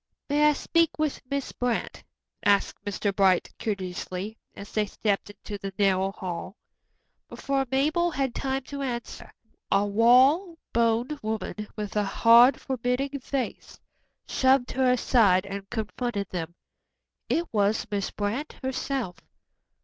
"May I speak with Miss Brant?" asked Mr. Bright courteously, as they stepped into the narrow hall. Before Mabel had time to answer, a tall, raw boned woman, with a hard, forbidding face, shoved her aside and confronted them. It was Miss Brant herself.